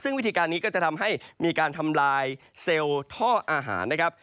ซึ่งวิธีการนี้ก็จะทำให้มีการทำลายเซลล์ท่ออาหารนะครับ